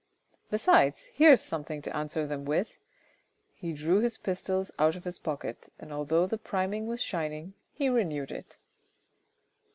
Besides, here's something to answer them with." He drew his pistols out of his pocket, and although the priming was shining, he renewed it.